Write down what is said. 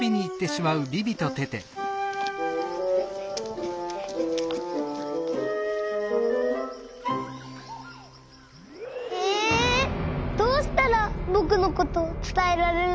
どうしたらぼくのことつたえられるの？